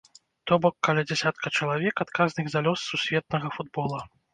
То бок, каля дзясятка чалавек, адказных за лёс сусветнага футбола.